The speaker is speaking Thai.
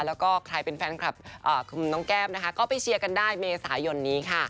แล้วก็ใครเป็นแฟนคลับคุณน้องแก้มนะคะก็ไปเชียร์กันได้เมษายนนี้ค่ะ